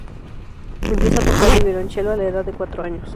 Empieza a tocar el violonchelo a la edad de cuatro años.